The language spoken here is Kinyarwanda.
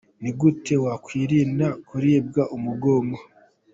Ni gute wakwirinda kuribwa umugongo ?.